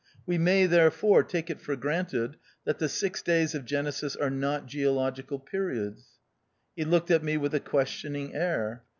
We may, therefore, take it for granted that the six days of Genesis are not geological periods 1 " He looked at me with a ques tioning air.